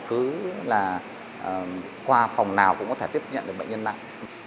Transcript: cứ là qua phòng nào cũng có thể tiếp nhận được bệnh nhân nặng